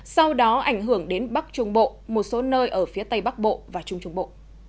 sau đó ảnh hưởng đến bắc trung bộ một số nơi ở phía tây bắc bộ và trung trung bộ